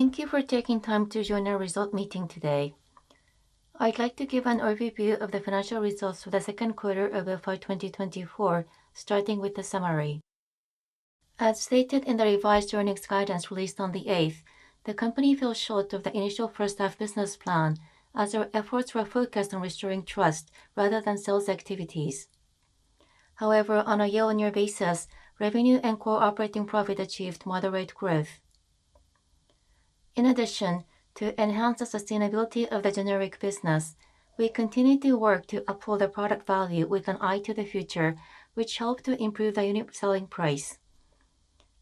Thank you for taking time to join our result meeting today. I'd like to give an overview of the financial results for the second quarter of FY2024, starting with the summary. As stated in the revised earnings guidance released on the 8th, the company fell short of the initial first half business plan as our efforts were focused on restoring trust rather than sales activities. However, on a year-on-year basis, revenue and core operating profit achieved moderate growth. In addition, to enhance the sustainability of the generic business, we continue to work to uphold the product value with an eye to the future, which helped to improve the unit selling price.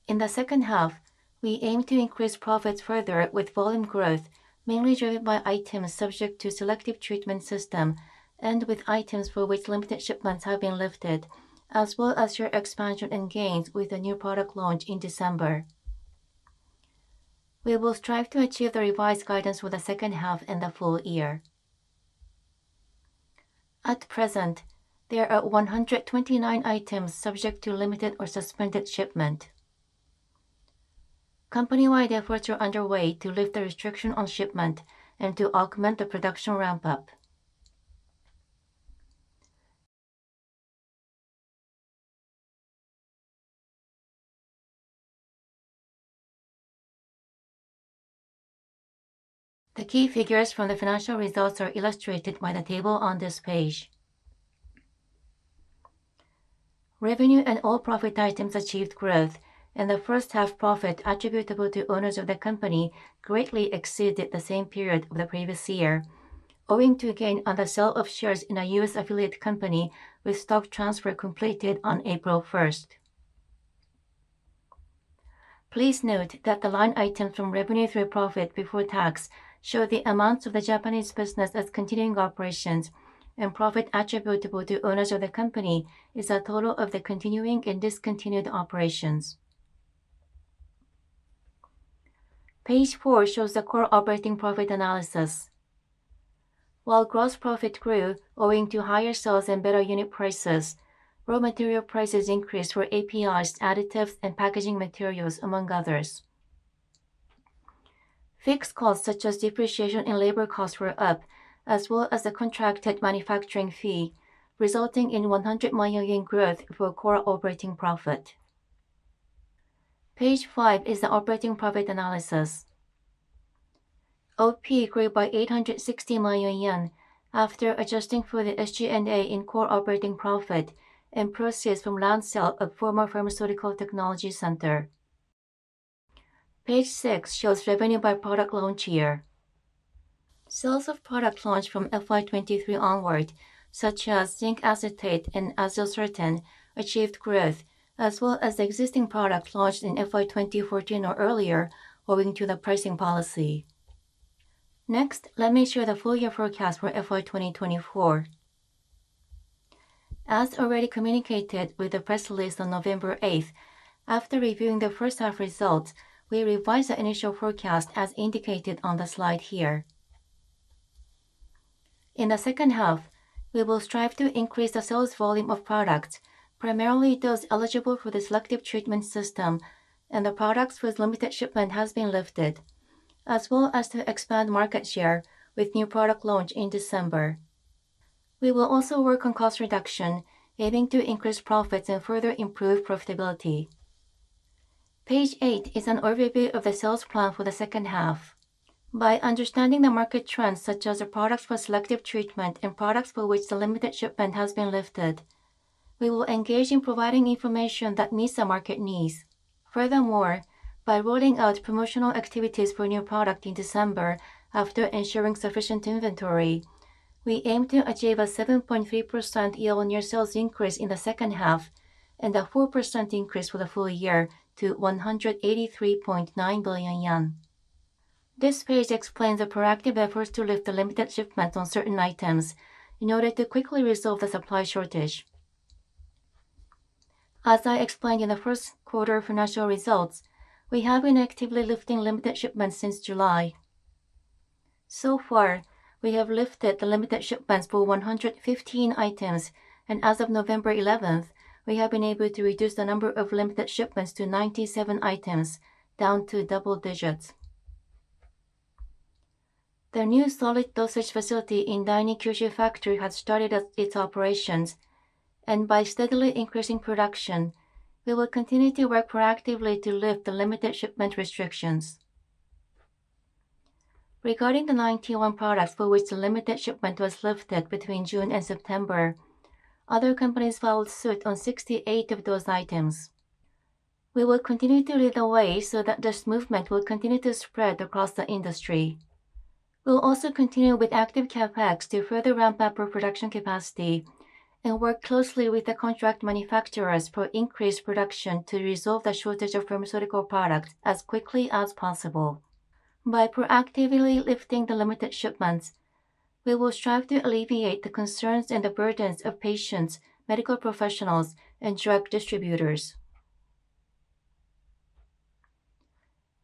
In the second half, we aim to increase profits further with volume growth, mainly driven by items subject to selective treatment system and with items for which limited shipments have been lifted, as well as area expansion and gains with a new product launch in December. We will strive to achieve the revised guidance for the second half and the full year. At present, there are 129 items subject to limited or suspended shipment. Company-wide efforts are underway to lift the restriction on shipment and to augment the production ramp-up. The key figures from the financial results are illustrated by the table on this page. Revenue and all profit items achieved growth. The first half profit attributable to owners of the company greatly exceeded the same period of the previous year, owing to gain on the sale of shares in a U.S. affiliate company with stock transfer completed on April 1st. Please note that the line items from revenue through profit before tax show the amounts of the Japanese business as continuing operations, and profit attributable to owners of the company is a total of the continuing and discontinued operations. Page four shows the core operating profit analysis. While gross profit grew owing to higher sales and better unit prices, raw material prices increased for APIs, additives, and packaging materials, among others. Fixed costs such as depreciation and labor costs were up, as well as the contracted manufacturing fee, resulting in 100 million yen growth for core operating profit. Page five is the operating profit analysis. OP grew by 860 million yen after adjusting for the SG&A in core operating profit and proceeds from land sale of Former Pharmaceutical Technology Center. Page six shows revenue by product launch year. Sales of products launched from FY23 onward, such as zinc acetate and azacitidine, achieved growth as well as the existing products launched in FY2014 or earlier owing to the pricing policy. Next, let me show the full year forecast for FY2024. As already communicated with the press release on November 8th, after reviewing the first half results, we revised the initial forecast as indicated on the slide here. In the second half, we will strive to increase the sales volume of products, primarily those eligible for the selective treatment system and the products with limited shipment has been lifted, as well as to expand market share with new product launch in December. We will also work on cost reduction, aiming to increase profits and further improve profitability. Page eight is an overview of the sales plan for the second half. By understanding the market trends such as the products for selective treatment and products for which the limited shipment has been lifted, we will engage in providing information that meets the market needs. Furthermore, by rolling out promotional activities for new product in December after ensuring sufficient inventory, we aim to achieve a 7.3% year-on-year sales increase in the second half and a 4% increase for the full year to 183.9 billion yen. This page explains the proactive efforts to lift the limited shipments on certain items in order to quickly resolve the supply shortage. As I explained in the first quarter financial results, we have been actively lifting limited shipments since July. So far, we have lifted the limited shipments for 115 items, and as of November 11th, we have been able to reduce the number of limited shipments to 97 items, down to double digits. The new solid dosage facility in Daini Kyushu Factory has started its operations, and by steadily increasing production, we will continue to work proactively to lift the limited shipment restrictions. Regarding the 91 products for which the limited shipment was lifted between June and September, other companies followed suit on 68 of those items. We will continue to lead the way so that this movement will continue to spread across the industry. We'll also continue with active CapEx to further ramp up our production capacity and work closely with the contract manufacturers for increased production to resolve the shortage of pharmaceutical products as quickly as possible. By proactively lifting the limited shipments, we will strive to alleviate the concerns and the burdens of patients, medical professionals, and drug distributors.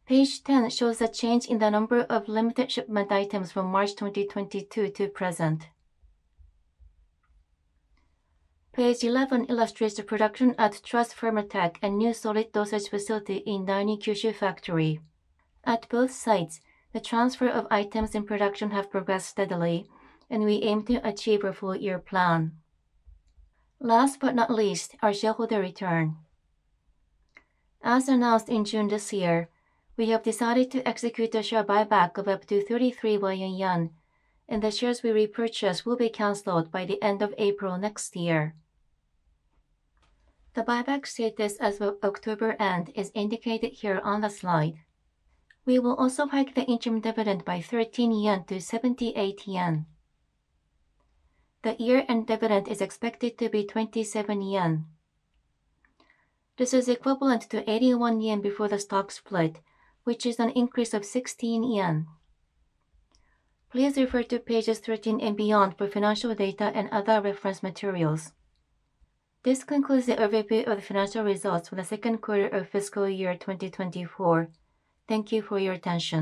Page 10 shows the change in the number of limited shipment items from March 2022 to present. Page 11 illustrates the production at Trust Pharmatech and new solid dosage facility in Daini Kyushu Factory. At both sites, the transfer of items and production have progressed steadily, and we aim to achieve our full year plan. Last but not least, our shareholder return. As announced in June this year, we have decided to execute a share buyback of up to 33 billion yen, and the shares we repurchase will be canceled by the end of April next year. The buyback status as of October end is indicated here on the slide. We will also hike the interim dividend by 13 yen to 78 yen. The year-end dividend is expected to be 27 yen. This is equivalent to 81 yen before the stock split, which is an increase of 16 yen. Please refer to pages 13 and beyond for financial data and other reference materials. This concludes the overview of the financial results for the second quarter of fiscal year 2024. Thank you for your attention.